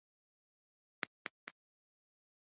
د شفق د غیږې اخلي